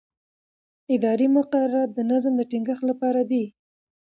اداري مقررات د نظم د ټینګښت لپاره دي.